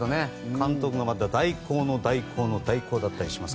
監督が代行の代行の代行だったり。